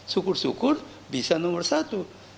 syukur syukur bisa nomor satu